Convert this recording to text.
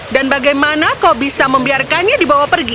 dan bagaimana kau bisa membiarkannya dibawa pergi